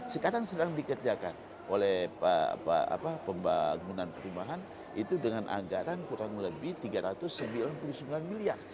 sekarang sedang dikerjakan oleh pembangunan perumahan itu dengan anggaran kurang lebih rp tiga ratus sembilan puluh sembilan miliar